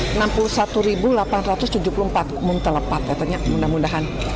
sehingga tujuh puluh empat muntel empat ya tentunya mudah mudahan